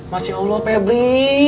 masya allah pebri